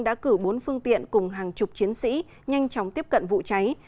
đã cử bốn phương tiện cùng hàng chục chiến sĩ nhanh chóng tiếp cận vụ cháy